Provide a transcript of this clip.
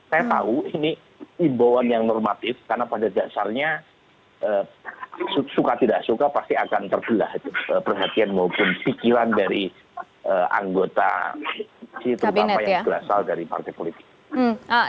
saya tahu ini imbauan yang normatif karena pada dasarnya suka tidak suka pasti akan terbelah perhatian maupun pikiran dari anggota polisi terutama yang berasal dari partai politik